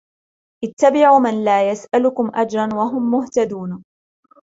اتَّبِعُوا مَنْ لَا يَسْأَلُكُمْ أَجْرًا وَهُمْ مُهْتَدُونَ